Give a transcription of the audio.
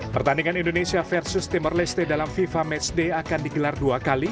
pertandingan indonesia versus timor leste dalam fifa matchday akan digelar dua kali